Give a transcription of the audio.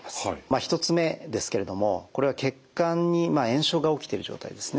１つ目ですけれどもこれは血管に炎症が起きてる状態ですね。